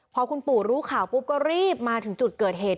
พอคุณปู่รู้ข่าวปุ๊บก็รีบมาถึงจุดเกิดเหตุ